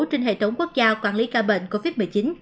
trên hệ thống quốc gia quản lý ca bệnh covid một mươi chín